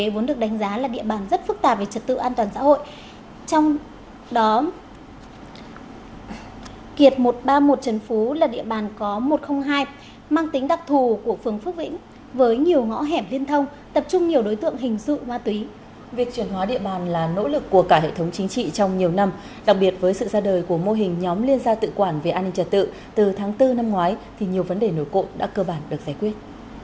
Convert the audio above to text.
mô hình liên gia tự quản ra đời của mô hình nhóm liên gia tự quản về an ninh trật tự từ tháng bốn năm ngoái thì nhiều vấn đề nổi cộng đã cơ bản được giải quyết